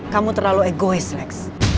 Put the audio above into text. kamu terlalu egois lex